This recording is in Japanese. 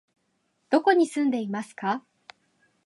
どこに住んでいますか？